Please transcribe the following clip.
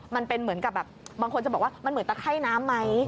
เหมือนกับแบบบางคนจะบอกว่ามันเหมือนตะไข้น้ำไหม